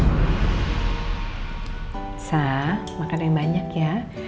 bisa makan yang banyak ya